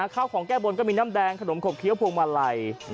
ข้าวของแก้บนก็มีน้ำแดงขนมขบเคี้ยพวงมาลัย